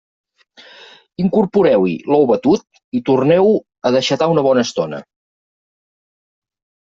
Incorporeu-hi l'ou batut i torneu-ho a deixatar una bona estona.